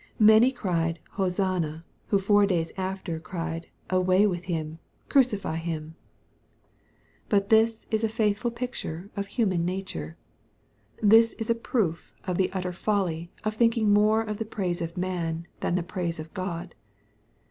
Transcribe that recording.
Many cried, Hosanna, who four days after cried, " away with Him, crucify Him." MATTHEW^ CHAP. XXI. 267 fiat this is a faithful picture of human nature. This is a proof of the utter folly of thinking more of the praise of man than the praise of God.